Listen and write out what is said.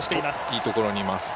いいところにいます。